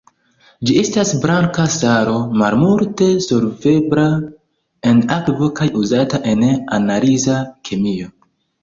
Ĝi estas blanka salo, malmulte solvebla en akvo kaj uzata en analiza kemio.